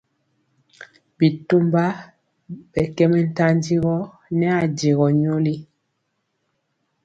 Bitomba ɓɛ kɛ mɛntanjigɔ nɛ ajegɔ nyoli.